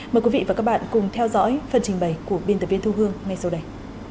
mời quý vị và các bạn cùng theo dõi phần trình bày của biên tập viên thu hương ngay sau đây